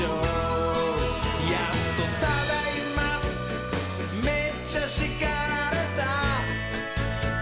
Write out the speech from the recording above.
「やっとただいまめっちゃしかられた」